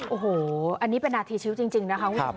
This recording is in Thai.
โอ้โฮอันนี้เป็นอาทิชิวป์จริงนะคะ